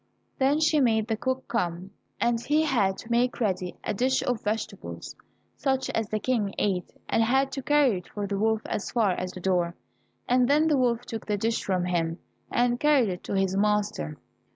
Then she made the cook come, and he had to make ready a dish of vegetables, such as the King ate, and had to carry it for the wolf as far as the door, and then the wolf took the dish from him, and carried it to his master.